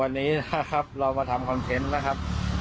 วันนี้เรามาทำคอนเทนต์นะครับ